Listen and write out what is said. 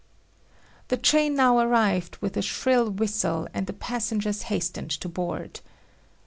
The train now arrived with a shrill whistle and the passengers hastened to board.